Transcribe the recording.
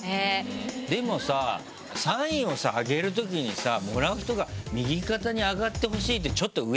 でもさサインをあげるときにさもらう人が右肩に上がってほしいって。